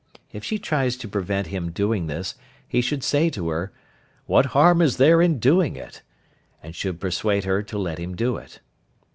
If she tries to prevent him doing this he should say to her, "What harm is there in doing it?" and should persuade her to let him do it.